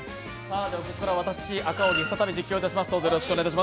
ここからは私、赤荻が再び実況いたします。